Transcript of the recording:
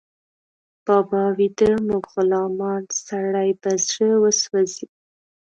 بابا ويده، موږ غلامان، سړی په زړه وسوځي